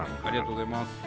ありがとうございます。